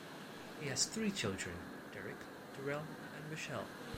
He has three children: Derek, Durel, and Michele.